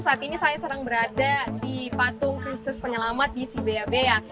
saat ini saya sedang berada di patung christina penyelamat di biabea